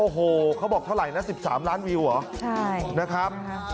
โอ้โหเขาบอกเท่าไหร่นะ๑๓ล้านวิวเหรอนะครับ